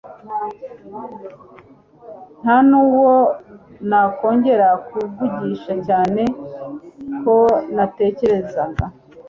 ntanuwo nakongera kuvugisha cyane ko natekerezaga